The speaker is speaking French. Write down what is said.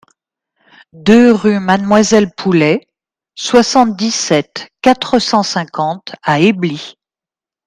deux rue Mademoiselle Poulet, soixante-dix-sept, quatre cent cinquante à Esbly